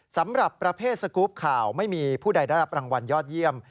สำหรับประเภทสกรูปข่าวไม่มีผู้ใดได้รับรางวัลยอดเยี่ยม